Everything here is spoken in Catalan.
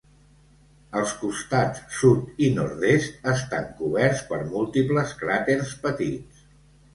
Els costats sud i nord-est estan coberts per múltiples cràters petits.